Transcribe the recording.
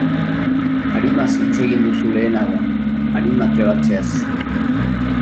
Arimaz hitz egin duzu lehenago, arima trebatzeaz.